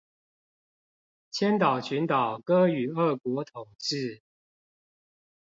千島群島割予俄國統冶